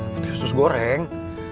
putri usus goreng